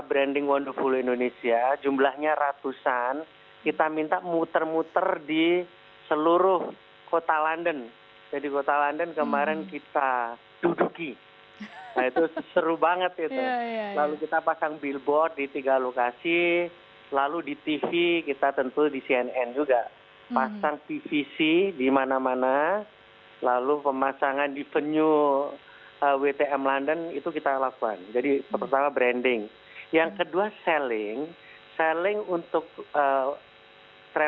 pada dua ribu tujuh belas kementerian parwisata menetapkan target lima belas juta wisatawan mancanegara yang diharapkan dapat menyumbang devisa sebesar empat belas sembilan miliar dolar amerika